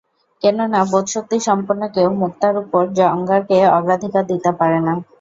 কেননা বোধশক্তি সম্পন্ন কেউ মুক্তার উপর অঙ্গারকে অগ্রাধিকার দিতে পারে না।